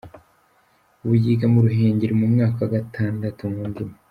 Ubu yiga mu Ruhengeri mu mwaka wa Gatandatu mu ndimi.